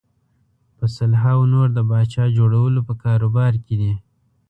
په سلهاوو نور د پاچا جوړولو په کاروبار کې دي.